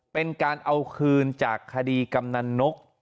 เป็นการเอาคืนจากคดีกำนันนก